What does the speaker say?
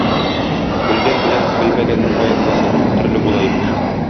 Белгән белән белмәгәннең аермасы дүрт төрле була имеш: